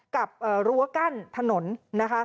รั้วกั้นถนนนะคะ